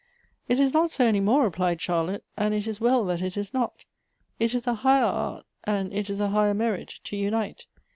" It is not so any more," replied Charlotte ;" and it is Elective Affinities. 41 well that it is not. It is a higher art, and it is a higher merit, to unite.